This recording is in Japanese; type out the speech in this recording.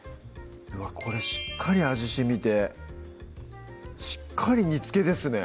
これしっかり味しみてしっかり煮つけですね